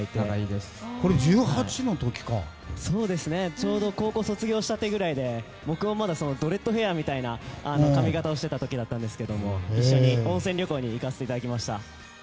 ちょうど高校卒業したてぐらいで僕もまだドレッドヘアみたいな髪形をしていた時なんですけども一緒に温泉旅行に行かせてもらいました。